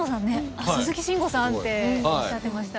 「あっ鈴木慎吾さん」っておっしゃってました。